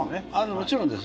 もちろんです。